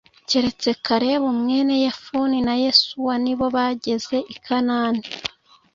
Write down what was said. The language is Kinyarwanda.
keretse kalebu mwene yefune na yesuwa nibo bageze i kanani